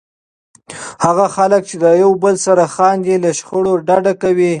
هغه خلک چې له یو بل سره خاندي، له شخړو ډډه کوي.